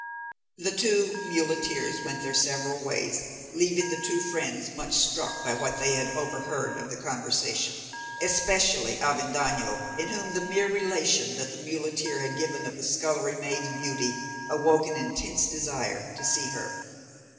The two muleteers went their several ways, leaving the two friends much struck by what they had overheard of the conversation, especially Avendaño, in whom the mere relation which the muleteer had given of the scullery maid's beauty awoke an intense desire to see her.